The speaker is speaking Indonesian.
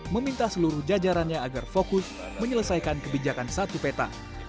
meminta seluruh jajarannya agar fokus menyelesaikan kebijakan satu peta